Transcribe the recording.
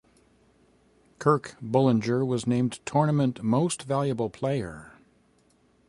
Kirk Bullinger was named Tournament Most Valuable Player.